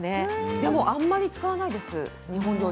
でもあんまり使わないですね。